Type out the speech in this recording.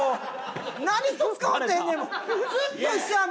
何一つ変わってへんねんもん。